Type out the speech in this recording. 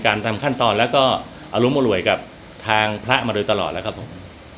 การการทำขั้นตอนและก็อารมโรยกับทางพระมาโดยตลอดแล้วครับผม